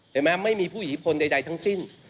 เห็นมั้ยไม่มีผู้อิทธิพลใดทั้งสิ้น